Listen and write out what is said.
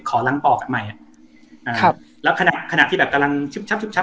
ขอล้างปอกกันใหม่อ่าครับแล้วขณะขณะที่แบบกำลังชุบชับชุบชับ